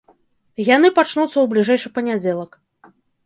Яны пачнуцца ў бліжэйшы панядзелак.